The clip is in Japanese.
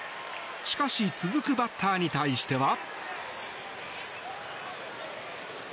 しかし続くバッターに対しては。